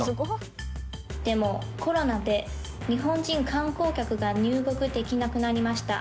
でもコロナで日本人観光客が入国できなくなりました。